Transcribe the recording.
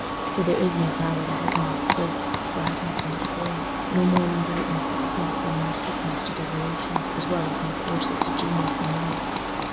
For there is no hour that has not its births of gladness and despair, no morning brightness that does not bring new sickness to desolation as well as new forces to genius and love.